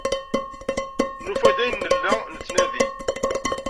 Nufa-d ayen ay nella nettnadi.